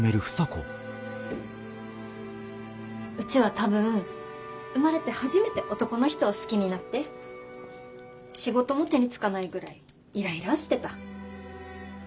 うちは多分生まれて初めて男の人を好きになって仕事も手につかないぐらいいらいらーしてた。